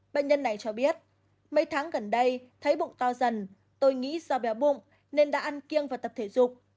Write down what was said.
bệnh nhân này cho biết mấy tháng gần đây thấy bụng to dần tôi nghĩ do béo bụng nên đã ăn kiêng và tập thể dục